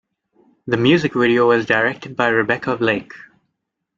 The music video was directed by Rebecca Blake.